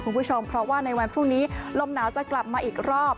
คุณผู้ชมเพราะว่าในวันพรุ่งนี้ลมหนาวจะกลับมาอีกรอบ